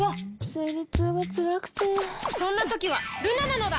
生理痛がつらくてそんな時はルナなのだ！